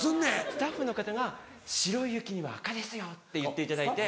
スタッフの方が「白い雪には赤ですよ」って言っていただいて。